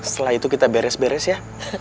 setelah itu kita beres beres ya